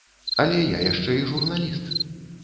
Але я яшчэ і журналіст.